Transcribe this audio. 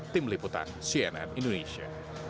tim liputan cnn indonesia